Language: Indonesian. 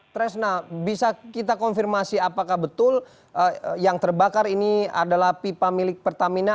tresna bisa kita konfirmasi apakah betul yang terbakar ini adalah pipa milik pertamina